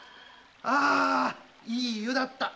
あぁいい湯だった！